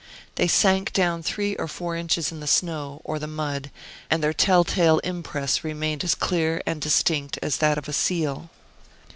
They sank down three or four inches in the snow, or the mud, and their tell tale impress remained as clear and distinct as that of a seal.